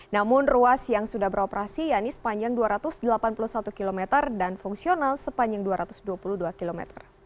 namun ruas yang sudah beroperasi yaitu sepanjang dua ratus delapan puluh satu km dan fungsional sepanjang dua ratus dua puluh dua km